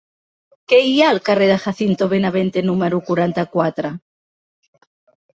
Què hi ha al carrer de Jacinto Benavente número quaranta-quatre?